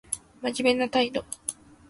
真面目な態度